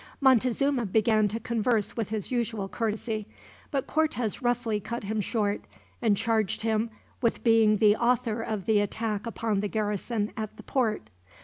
Montezuma began to converse with his usual courtesy, but Cortez roughly cut him short, and charged him with being the author of the attack upon the garrison at the port.